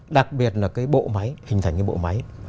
đặc biệt là cái bộ máy hình thành cái bộ máy